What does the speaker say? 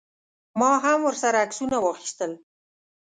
ما هم ورسره عکسونه واخیستل.